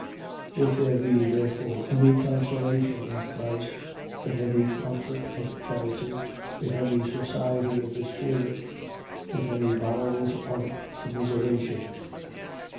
2:1. If there be therefore any consolation in Christ, if any comfort of charity, if any society of the spirit, if any bowels of commiseration: 2:2.